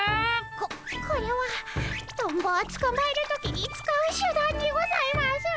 ここれはトンボをつかまえる時に使う手段にございます。